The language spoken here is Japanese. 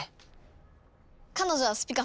彼女はスピカさん。